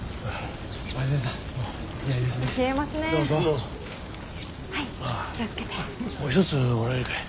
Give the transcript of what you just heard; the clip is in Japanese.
もう一つもらえるかい。